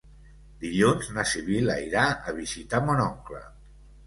Dilluns na Sibil·la irà a visitar mon oncle.